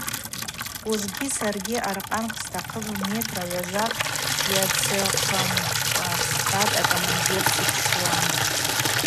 Ужвы саргьи аркъанкӏ стахъыпӏ метӏра гӏважвакӏ йацӏыхъвамкӏва, – схӏватӏ акомандир сипшуа.